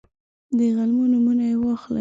د غلو نومونه یې واخلئ.